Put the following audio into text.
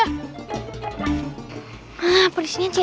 kuh ini bara lagi bergabung di sana